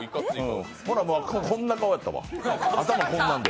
こんな顔やったわ、頭、こんなんで。